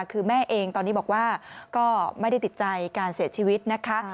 คือแม่เองตอนนี้บอกว่าก็ไม่ได้ติดใจการเสียชีวิตนะคะ